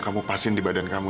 kamu pasin di badan kamu